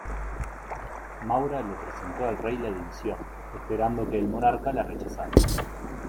Maura le presentó al rey la dimisión, esperando que el monarca la rechazara.